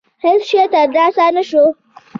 هېڅ شی ترلاسه نه شو.